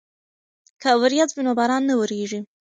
که وریځ وي نو باران نه وریږي.